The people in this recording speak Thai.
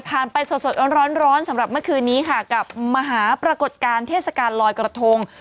ไปสดร้อนสำหรับเมื่อคืนนี้ค่ะกับมหาปรากฏการณ์เทศกาลลอยกระทง